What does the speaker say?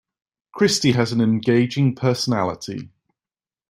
Christy has an engaging personality.